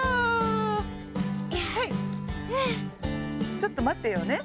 ちょっとまってようね。